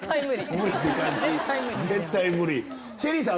絶対無理。